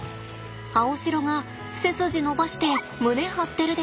アオシロが背筋伸ばして胸張ってるでしょ？